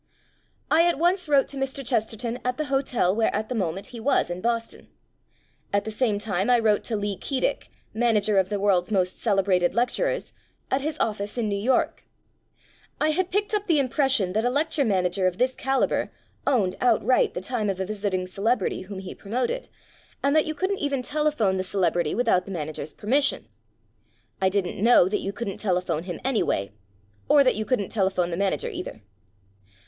I at once wrote to Mr. Chesterton at the hotel where at the moment he was in Boston. At the same time I wrote to Lee Keedick ("Manager of the World's Most Celebrated Lecturers") at his office in New York. I had picked up the impression that a lecture man ager of this calibre owned outright the time of a visiting celebrity whom he promoted, and that you couldn't even telephone the celebrity without the manager's permission. I didn't know that you couldn't telephone him anyway. Or that you couldn't tele phone the manager either.